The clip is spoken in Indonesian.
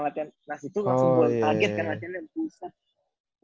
nah disitu langsung gue kaget kan latihannya